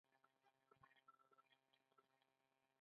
• ږغ د هوا، اوبو او جامداتو له لارې خپرېږي.